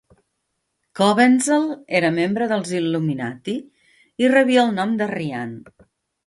Cobenzl era membre dels Illuminati i rebia el nom d'Arrian.